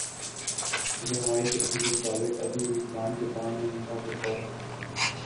لیکن ہماری تحقیق کے مطابق ابھی یہ پلانٹ جاپان میں مہنگا پڑتا ھے